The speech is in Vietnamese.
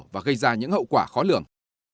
và gây ra những hậu quả khó lường